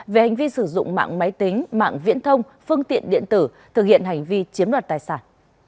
về hành vi sử dụng mạng máy tính mạng viễn thông phương tiện điện tử thực hiện hành vi chiếm đoạt tài sản